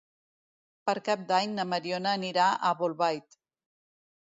Per Cap d'Any na Mariona anirà a Bolbait.